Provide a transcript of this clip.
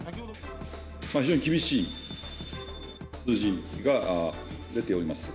非常に厳しい数字が出ております。